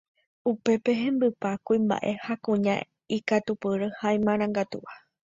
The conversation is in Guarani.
Upépe hembypa kuimba'e ha kuña ikatupyry ha imarangatúva